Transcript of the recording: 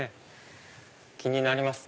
気になります？